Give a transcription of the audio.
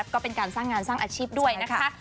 ก็เป็นการสร้างงานสร้างอาชีพด้วยนะคะ